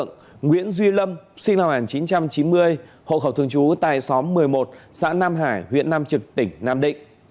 nguyễn duy lâm sinh năm một nghìn chín trăm chín mươi hộ khẩu thường trú tại xóm một mươi một xã nam hải huyện nam trực tỉnh nam định